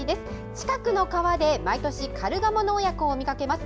近くの川で毎年カルガモの親子を見かけます。